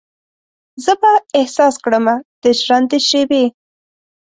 زه به احساس کړمه د ژرندې شیبې